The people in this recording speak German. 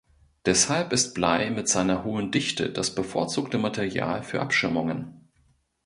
Deshalb ist Blei mit seiner hohen Dichte das bevorzugte Material für Abschirmungen.